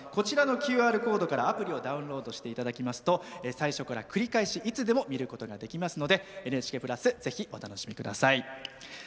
ＱＲコードからアプリをダウンロードしていただきますと最初から繰り返し、いつでも見ることができますので「ＮＨＫプラス」ぜひお楽しみください。